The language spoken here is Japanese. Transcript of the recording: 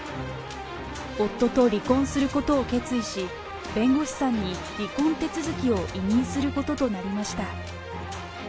夫と離婚することを決意し、弁護士さんに離婚手続きを委任することとなりました。